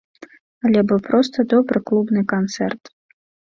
Але быў проста добры клубны канцэрт.